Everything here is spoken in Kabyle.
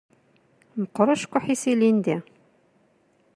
Meqqeṛ ucekkuḥ-is ilindi.